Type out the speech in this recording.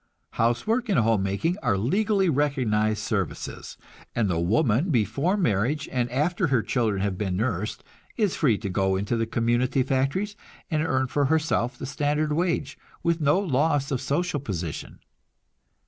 Housework and home making are legally recognized services; and the woman before marriage and after her children have been nursed is free to go into the community factories and earn for herself the standard wage, with no loss of social position.